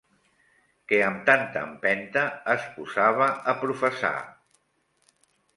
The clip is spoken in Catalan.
...que amb tanta empenta es posava a professar.